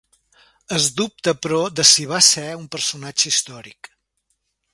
Es dubta però de si va ser un personatge històric.